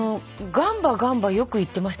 「ガンバガンバ」よく言ってた。